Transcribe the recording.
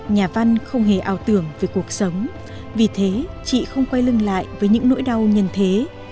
nhà văn không hề ảo tưởng về cuộc sống vì thế chị không quay lưng lại với những nỗi đau nhân thế